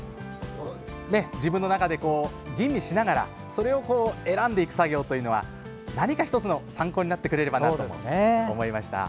自分の中で吟味しながらそれを選んでいく作業というのは何か、ひとつの参考になってくれればなと思いました。